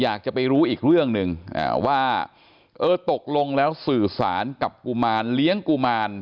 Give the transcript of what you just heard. อยากจะไปรู้อีกเรื่องหนึ่งว่าเออตกลงแล้วสื่อสารกับกุมารเลี้ยงกุมาร